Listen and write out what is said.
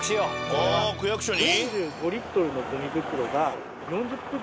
ああ区役所に？